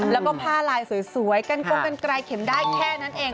แล้วก็ผ้าลายสวยกันกงกันไกลเข็มได้แค่นั้นเอง